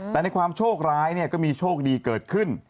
แต่ในความโชคร้ายก็มีโชคดีเกิดขึ้น